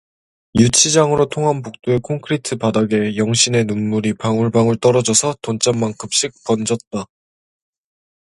유치장으로 통한 복도의 콘크리트 바닥에 영신의 눈물이 방울방울 떨어져서 돈짝만큼씩 번 졌다.